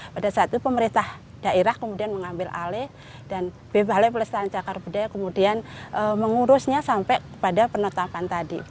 pada saat itu pemerintah daerah kemudian mengambil alih dan bebas pelestarian cakar budaya kemudian mengurusnya sampai kepada penetapan tadi